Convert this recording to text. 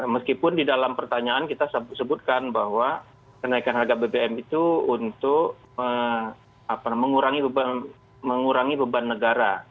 meskipun di dalam pertanyaan kita sebutkan bahwa kenaikan harga bbm itu untuk mengurangi beban negara